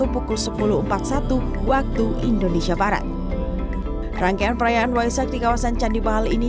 pukul sepuluh empat puluh satu waktu indonesia barat rangkaian perayaan waisak di kawasan candi mahal ini